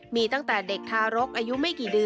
มีตั้งแต่เด็กทารกอายุไม่กี่เดือน